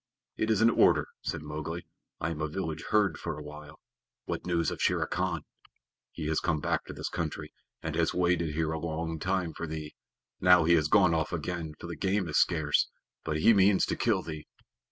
"It is an order," said Mowgli. "I am a village herd for a while. What news of Shere Khan?" "He has come back to this country, and has waited here a long time for thee. Now he has gone off again, for the game is scarce. But he means to kill thee."